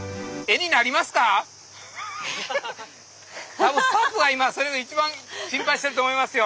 多分スタッフが今それ一番心配してると思いますよ。